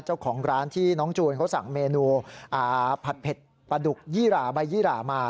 เจ้าของร้านที่น้องจูนเขาสั่งเมนูผัดเผ็ดปลาดุกยี่หร่าใบยี่หร่ามา